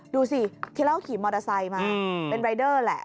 ดูสิที่เล่าขี่มอเตอร์ไซค์มาเป็นรายเดอร์แหละ